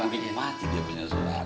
yang penting dia vokalnya keluar